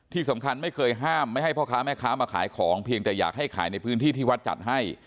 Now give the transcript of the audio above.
ที่สำคัญไม่เคยห้ามไม่ให้พ่อค้าแม่ค้ามาขายของเพียงแต่อยากให้ขายในพื้นที่ที่วัดจัดให้